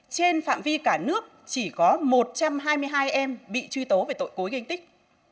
trên phạm vi cả nước chỉ có một trăm hai mươi hai em bị truy tố về tội cối gây tích